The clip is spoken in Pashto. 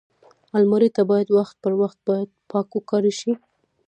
الماري ته باید وخت پر وخت پاک کاری وشي